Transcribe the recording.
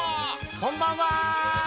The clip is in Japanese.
こんばんは！